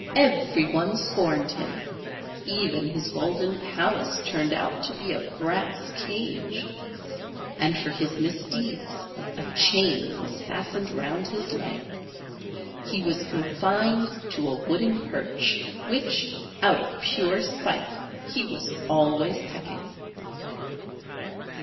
Every one scorned him; even his golden palace turned out to be a brass cage; and for his misdeeds a chain was fastened round his leg. He was confined to a wooden perch, which, out of pure spite, he was always pecking.